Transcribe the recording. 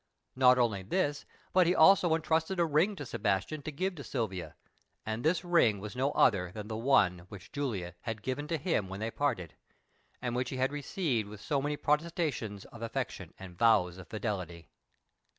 Not only this, but he also entrusted a ring to Sebastian to give to Silvia, and this ring was no other than the one which Julia had given to him when they parted, and which he had received with so many protestations of affection and vows of fidelity.